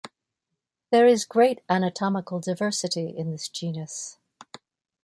There is great anatomical diversity in this genus.